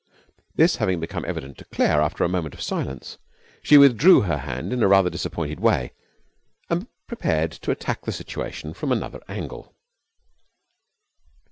This having become evident to Claire after a moment of silence, she withdrew her hand in rather a disappointed way and prepared to attack the situation from another angle.